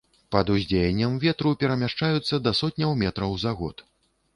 Пад уздзеяннем ветру перамяшчаюцца да сотняў метраў за год.